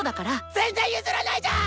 ・全然譲らないじゃん！